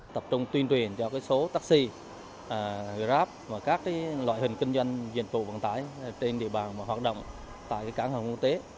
tập trung tuyên truyền cho số taxi grab và các loại hình kinh doanh dịch vụ vận tải trên địa bàn hoạt động tại cảng hàng quốc tế